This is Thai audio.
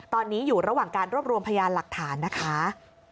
ตอนนี้อยู่ระหว่างการรวบรวมพยานหลักฐานนะคะ